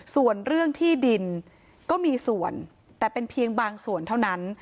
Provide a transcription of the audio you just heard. ส่วนเรื่องที่ดินก็มีส่วนแต่เป็นเพียงบางส่วนเท่านั้น